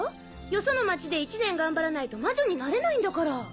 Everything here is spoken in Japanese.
よその町で１年頑張らないと魔女になれないんだから。